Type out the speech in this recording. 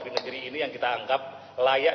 di negeri ini yang kita anggap layak